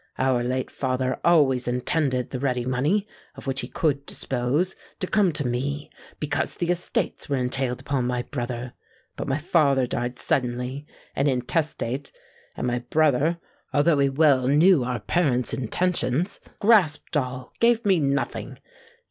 Our late father always intended the ready money, of which he could dispose, to come to me, because the estates were entailed upon my brother. But my father died suddenly, and intestate; and my brother, although he well knew our parent's intentions, grasped all—gave me nothing!